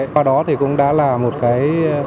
và đó thì cũng đã là một cái